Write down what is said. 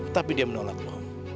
tapi dia menolak lo